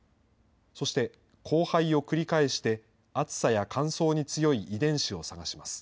そして、交配を繰り返して、暑さや乾燥に強い遺伝子を探します。